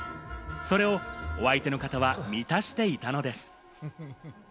それをお相手の方は満たしていたのです。